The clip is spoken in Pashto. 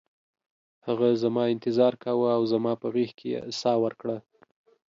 هغه زما انتظار کاوه او زما په غیږ کې یې ساه ورکړه